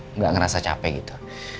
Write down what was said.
enggak ngerasa capek gitu